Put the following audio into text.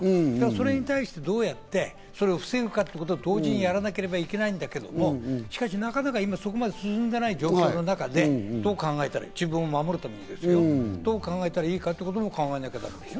それをどうやって防ぐかということを同時にやらなければいけないんだけど、しかしなかなか今そこまで進んでいない状況の中で、どう考えたら自分を守るためですよ、どう考えたらいいかということを考えなければだめですよ。